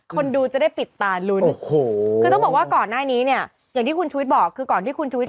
คนดูจะได้ปิดตาลุ้น